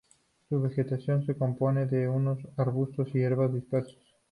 Su vegetación se compone de unos arbustos y hierbas dispersos.